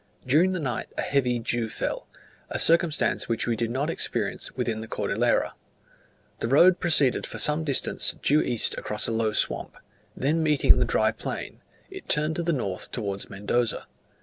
During the night a heavy dew fell, a circumstance which we did not experience within the Cordillera. The road proceeded for some distance due east across a low swamp; then meeting the dry plain, it turned to the north towards Mendoza.